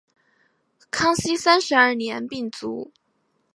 康熙三十二年病卒。